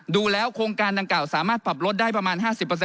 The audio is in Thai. ดูแล้วโครงการดังกล่าวสามารถปรับลดได้ประมาณ๕๐